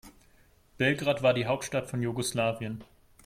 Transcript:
Belgrad war die Hauptstadt von Jugoslawien.